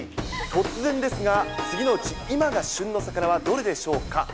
突然ですが、次のうち、今の旬の魚はどれでしょうか。